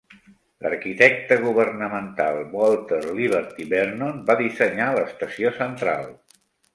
L'arquitecte governamental Walter Liberty Vernon va dissenyar l'estació central.